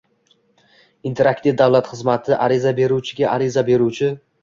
Interaktiv davlat xizmati ariza beruvchiga ariza beruvchi